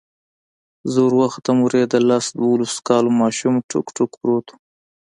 زه وروختم هورې د لس دولسو كالو ماشوم ټوك ټوك پروت و.